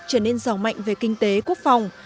trở nên rõ mạnh về kinh tế quốc phòng